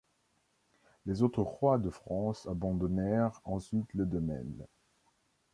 Les autres rois de France abandonnèrent ensuite le domaine.